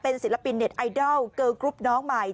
ศิลปินเน็ตไอดอลเกอร์กรุ๊ปน้องใหม่